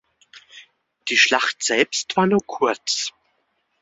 Die Schlacht selbst war nur kurz.